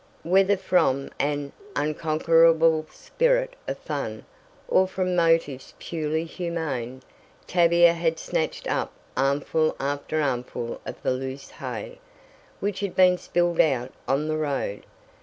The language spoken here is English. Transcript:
Whether from an unconquerable spirit of fun, or from motives purely humane, Tavia had snatched up armful after armful of the loose hay, which had been spilled out on the road.